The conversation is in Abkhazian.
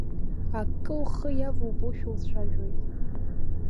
Акы ухы иавубошәа уцәажәоит.